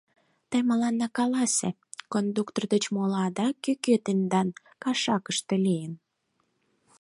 — Тый мыланна каласе, кондуктор деч моло адак кӧ-кӧ тендан кашакыште лийын?